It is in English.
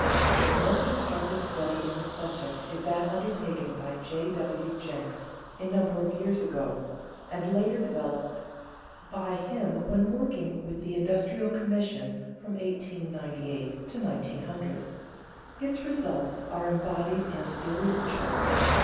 _ The most instructive study in the subject is that undertaken by J. W. Jenks a number of years ago, and later developed by him when working with the Industrial Commission from 1898 to 1900. Its results are embodied in a series of charts.